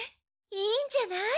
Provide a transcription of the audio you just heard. いいんじゃない。